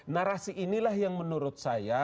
narasi inilah yang menurut saya